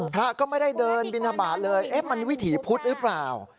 พระก็ไม่ได้เดินบินทบาทเลยมันวิถีพุธหรือเปล่า